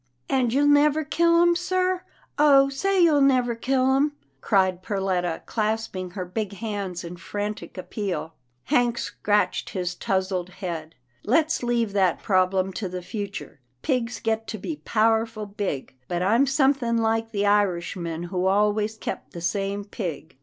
" And you'll never kill 'em sir, oh ! say you'll never kill 'em," cried Perletta, clasping her big hands in frantic appeal. Hank scratched his touzled head. " Let's leave that problem to the future. Pigs get to be power ful big, but I'm something like the Irishman who always kept the same pig.